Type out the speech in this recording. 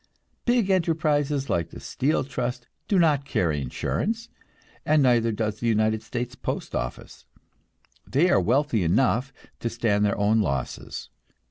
Big enterprises like the Steel Trust do not carry insurance, and neither does the United States Postoffice. They are wealthy enough to stand their own losses.